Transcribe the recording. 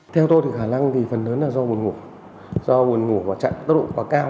theo tôi thì khả năng thì phần lớn là do buồn ngủ do buồn ngủ và chặn tốc độ quá cao